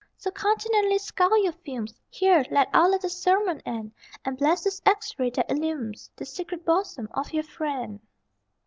So continently skull your fumes (Here let our little sermon end) And bless this X ray that illumes The secret bosom of your friend!